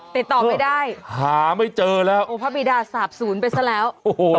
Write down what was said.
ติดต่อไม่ได้หาไม่เจอแล้วโอ้พระบิดาสาบศูนย์ไปซะแล้วโอ้โห